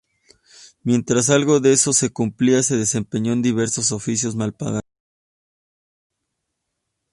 Mientras algo de eso se cumplía se desempeñó en diversos oficios mal pagados.